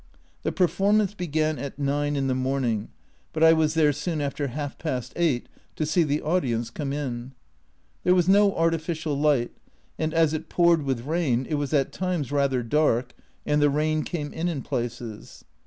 The performance began at 9 in the morning, but I was there soon after half past eight to see the audience come in. There was no artificial light, and as it poured with rain it was at times rather dark, and the rain came in in places.